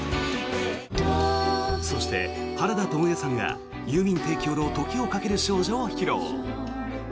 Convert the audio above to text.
そして、原田知世さんがユーミン提供の「時をかける少女」を披露。